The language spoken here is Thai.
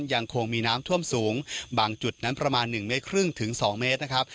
ยังคงมีน้ำท่วมสูงบางจุดนั้นประมาณ๑๕๒เมตรนะครับ